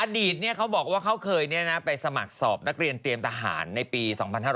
อดีตเขาบอกว่าเขาเคยไปสมัครสอบนักเรียนเตรียมทหารในปี๒๕๕๙